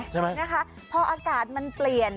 ใช่ไหมคะพออากาศมันเปลี่ยน